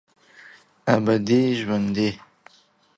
ابدي ژوندي